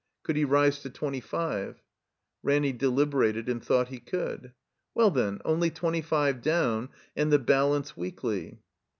Could he rise to twenty five? Ranny deliberated and thought he cotdd. Well, then — only twenty five down, and the bal ance weekly.